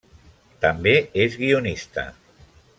També és guionista.